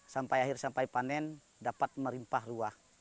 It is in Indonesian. sampai akhir sampai panen dapat merimpah ruah